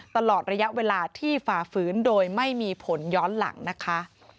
ตลอดระยะเวลาที่ฝ่าฝืนโดยไม่มีผลย้อนหลังนะคะ